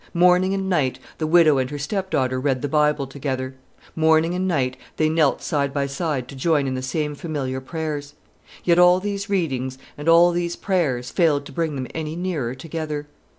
Morning and night the widow and her stepdaughter read the Bible together; morning and night they knelt side by side to join in the same familiar prayers; yet all these readings and all these prayers failed to bring them any nearer together.